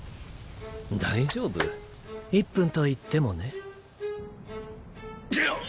大丈夫１分といってもねぐっ！